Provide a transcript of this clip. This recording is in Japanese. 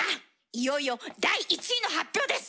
いよいよ第１位の発表です！